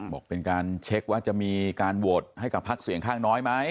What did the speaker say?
บอกเป็นการเช็คว่าจะมีการโหวตให้กับพักเสียงข้างน้อยไหม